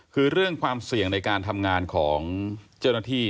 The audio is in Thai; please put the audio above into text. คือเรื่องความเสี่ยงในการทำงานของเจ้าหน้าที่